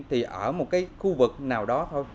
thì ở một khu vực nào đó thôi